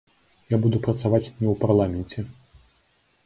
Я буду працаваць не ў парламенце.